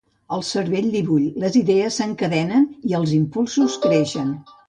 El cervell li bull, les idees s'encadenen i els impulsos creixen.